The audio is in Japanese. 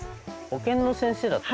保健の先生だった？